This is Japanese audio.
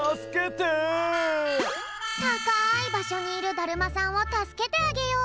たかいばしょにいるだるまさんをたすけてあげよう！